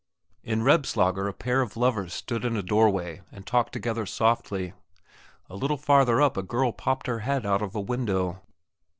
In Rebslager a pair of lovers stood in a doorway and talked together softly; a little farther up a girl popped her head out of a window.